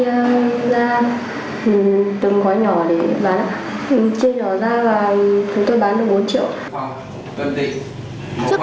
lúc đấy tôi hiểu tiền